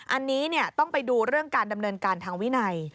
อันนี้ต้องไปดูเรื่องการดำเนินการทางวินัย